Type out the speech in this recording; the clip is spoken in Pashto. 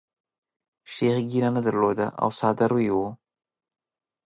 شیخ ږیره نه درلوده او ساده روی وو.